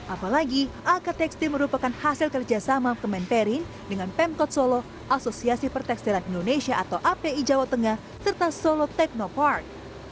apalagi aka tekstil merupakan hasil kerjasama kemenperin dengan pemkot solo asosiasi pertekstiran indonesia atau api jawa tengah serta solo technopark